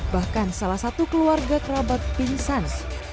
bahkan salah satu keluarga kerabat pingsan